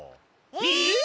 えっ！？